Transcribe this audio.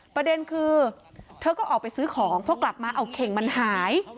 ประเด็นคือเธอก็ออกไปซื้อของเพราะกลับมาเอาเข่งมันหาย